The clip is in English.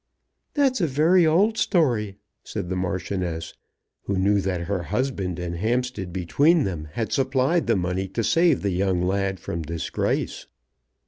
"That's a very old story," said the Marchioness, who knew that her husband and Hampstead between them had supplied the money to save the young lad from disgrace.